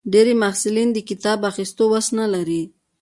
ډېری محصلین د کتابونو اخیستو وس نه لري.